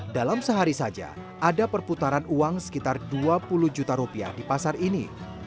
dalam sehari saja ada perputaran uang sekitar dua puluh juta rupiah di pasar ini